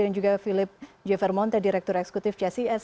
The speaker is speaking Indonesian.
dan juga philip g vermonte direktur eksekutif csis